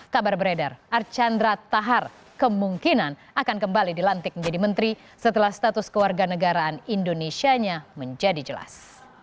kabar beredar archandra tahar kemungkinan akan kembali dilantik menjadi menteri setelah status keluarga negaraan indonesia nya menjadi jelas